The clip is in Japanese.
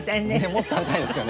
もっと食べたいですよね。